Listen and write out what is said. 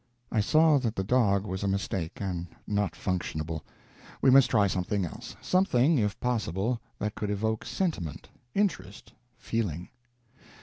I saw that the dog was a mistake, and not functionable: we must try something else; something, if possible, that could evoke sentiment, interest, feeling.